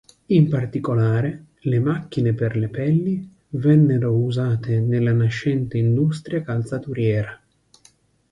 In particolare le macchine per le pelli vennero usate nella nascente industria calzaturiera.